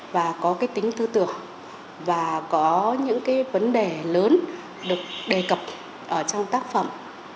và có cái tính tư tưởng và có những cái vấn đề lớn được đề cập trong tác phẩm